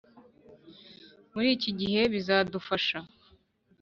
Muri iki gihe bizadufasha